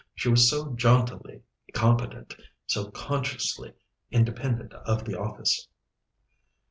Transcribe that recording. She was so jauntily competent, so consciously independent of the office.